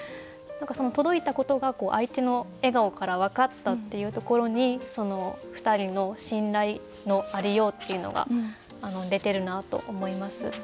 届いたことが相手の笑顔から分かったっていうところにその２人の信頼のありようっていうのが出てるなと思います。